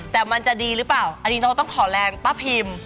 แต่มันจะดีหรือเปล่าอันนี้เราต้องขอแรงป้าพิม